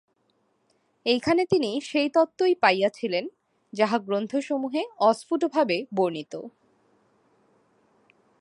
এইখানে তিনি সেই তত্ত্বই পাইয়াছিলেন, যাহা গ্রন্থসমূহে অস্ফুটভাবে বর্ণিত।